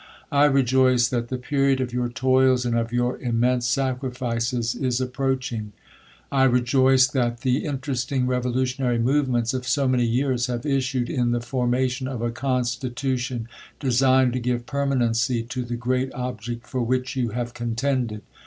I rejoice that the period of your toils and of your immense sacrifices is appro&ohing. I ivj^ice tiiai iivff interesting revolutionary movements of so many years have issued in the formation of a constitution designed to give permanency to the great object for which you have contended.